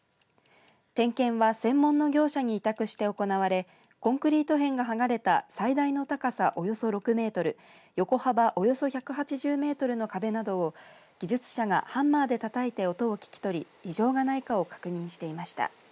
点検は専門の業者に委託して行われコンクリート片がはがれた最大の高さおよそ６メートル横幅およそ１８０メートルの壁などを技術者がハンマーでたたいて音を聞き取り異常がないかを確認していました。